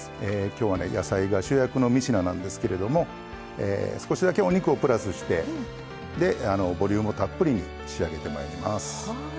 今日はね野菜が主役の３品なんですけれども少しだけお肉をプラスしてでボリュームたっぷりに仕上げてまいります。